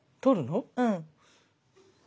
うん。